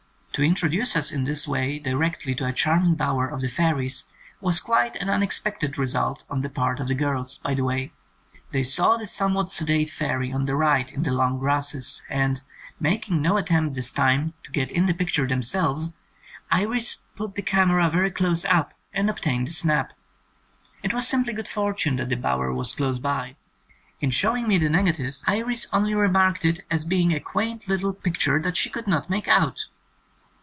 To introduce us in this way directly to a charming bower of the fairies was quite an unexpected result on the part of the girls, by the way. They saw the some what sedate fairy on the right in the long grasses, and, making no attempt this time to get in the picture themselves. Iris put the camera very close up and obtained the snap. It was simply good fortune that the bower was close by. In showing me the negative, 104 THE SECOND SERIES Iris only remarked it as being a quaint little picture that she could not make out!"